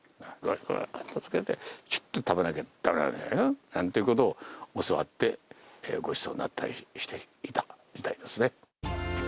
こうやってつけて、ちゅるって食べなきゃだめなんだよなんてことを教わって、ごちそうになったりしていた時代ですね。